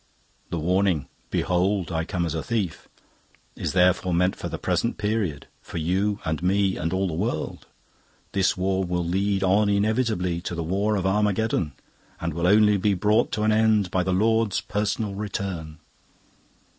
The warning, 'Behold, I come as a thief,' is therefore meant for the present period for you and me and all the world. This war will lead on inevitably to the war of Armageddon, and will only be brought to an end by the Lord's personal return.